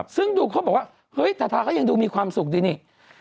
ซึ่งดูเขาบอกว่าเฮ้ยทาทาก็ยังดูมีความสุขดีนี่